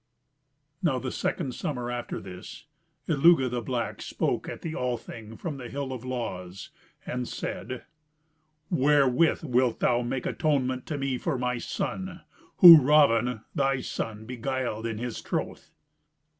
Now the second summer after this, Illugi the Black spoke at the Althing from the Hill of Laws, and said: "Wherewith wilt thou make atonement to me for my son, whom Raven, thy son, beguiled in his troth?"